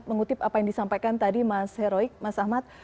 mengutip apa yang disampaikan tadi mas heroik mas ahmad